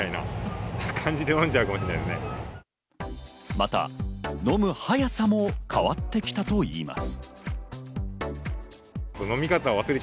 また飲む速さも変わってきたといいます。